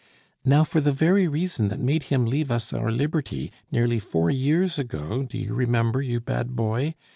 Now for the very reason that made him leave us our liberty nearly four years ago, do you remember, you bad boy?